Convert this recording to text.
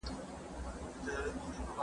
دا کتابونه له هغو مهم دي.